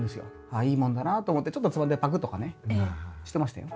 ああいいもんだなと思ってちょっとつまんでパクッとかねしてましたよ。